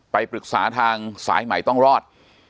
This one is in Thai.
ไปปรึกษาทางสายใหม่ต้องรอด